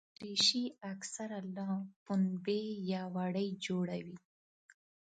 دریشي اکثره له پنبې یا وړۍ جوړه وي.